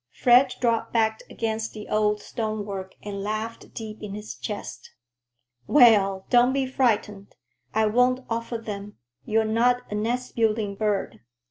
Fred dropped back against the old stonework and laughed deep in his chest. "Well, don't be frightened. I won't offer them. You're not a nest building bird.